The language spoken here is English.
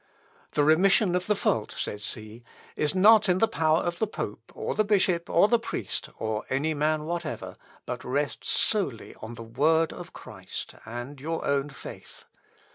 "The remission of the fault," says he, "is not in the power of the pope, or the bishop, or the priest, or any man whatever, but rests solely on the word of Christ, and your own faith.